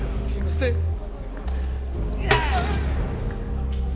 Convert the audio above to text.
すいません。